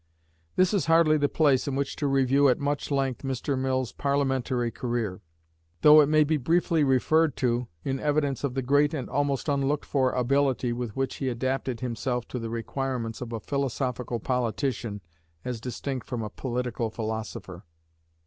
This is hardly the place in which to review at much length Mr. Mill's parliamentary career, though it may be briefly referred to in evidence of the great and almost unlooked for ability with which he adapted himself to the requirements of a philosophical politician as distinct from a political philosopher.